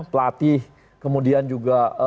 pelatih kemudian juga